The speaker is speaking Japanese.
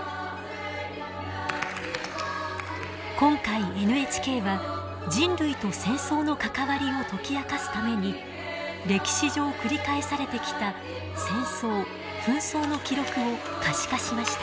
今回ＮＨＫは人類と戦争の関わりを解き明かすために歴史上繰り返されてきた戦争・紛争の記録を可視化しました。